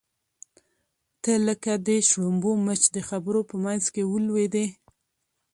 ته لکه د شړومبو مچ د خبرو په منځ کې ولوېدې.